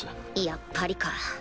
やっぱりか。